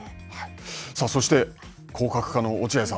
さあ、そして、好角家の落合さん。